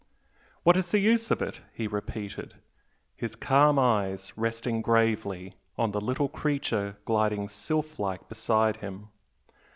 "What is the use of it?" he repeated, his calm eyes resting gravely on the little creature gliding sylph like beside him.